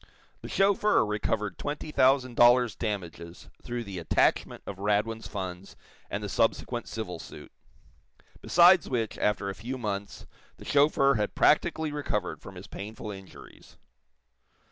The chauffeur recovered twenty thousand dollars damages through the attachment of Radwin's funds and the subsequent civil suit. Besides which, after a few months, the chauffeur had practically recovered from his painful injuries.